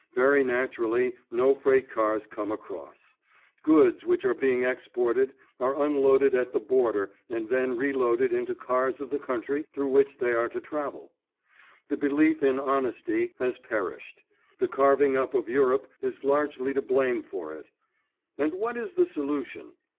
Very naturally no freight cars come across. Goods which are being exported, are unloaded at the border and then re loaded into cars of the country through which they are to travel. The belief in honesty has perished; the carving up of Europe is largely to blame for it. And what is the solution?